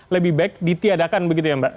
lebih baik ditiadakan begitu ya mbak